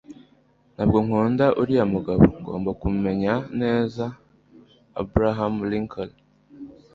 ntabwo nkunda uriya mugabo. ngomba kumumenya neza. abraham lincoln